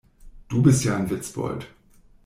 Du bist ja ein Witzbold.